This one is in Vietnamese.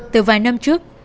từ vài năm trước